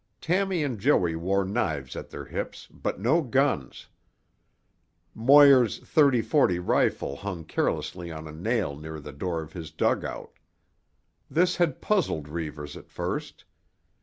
Tammy and Joey wore knives at their hips, but no guns. Moir's 30.40 rifle hung carelessly on a nail near the door of his dugout. This had puzzled Reivers at first.